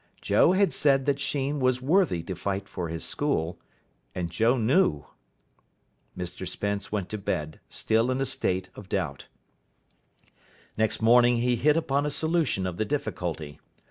Joe had said that Sheen was worthy to fight for his school, and Joe knew. Mr Spence went to bed still in a state of doubt. Next morning he hit upon a solution of the difficulty.